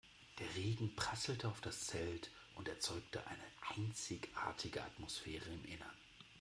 Der Regen prasselte auf das Zelt und erzeugte eine einzigartige Atmosphäre im Innern.